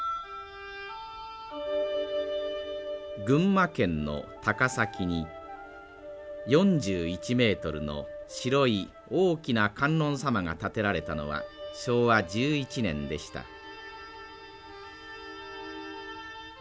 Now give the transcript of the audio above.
群馬県の高崎に４１ｍの白い大きな観音様が建てられたのは昭和１１年でした。